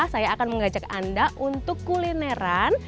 saya akan mengajak anda untuk kulineran